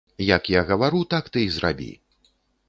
Як я гавару, так ты і зрабі.